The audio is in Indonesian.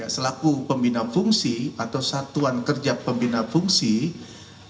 selaku pembina fungsi atau satuan kerja pembina fungsi yang terkait dengan fungsi reserse